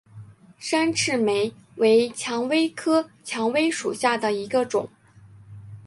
山刺玫为蔷薇科蔷薇属下的一个种。